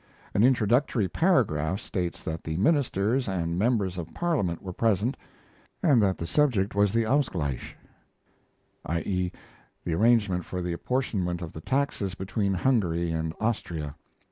An introductory paragraph states that the ministers and members of Parliament were present, and that the subject was the "Ausgleich" i.e., the arrangement for the apportionment of the taxes between Hungary and Austria.